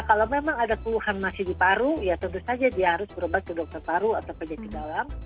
kalau memang ada keluhan masih di paru ya tentu saja dia harus berobat ke dokter paru atau penyakit dalam